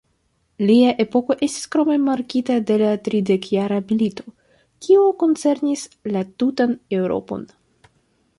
Lia epoko estis krome markita de la Tridekjara milito, kiu koncernis la tutan Eŭropon.